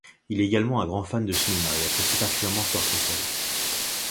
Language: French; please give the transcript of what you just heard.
Il est également un grand fan de cinéma et apprécie particulièrement Kurt Russell.